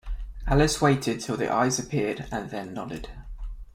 Alice waited till the eyes appeared, and then nodded.